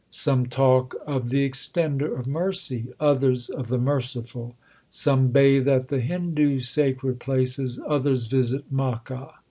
Some talk of the Extender of mercy, others of the Merciful. Some bathe at the Hindu sacred places, others visit Makka.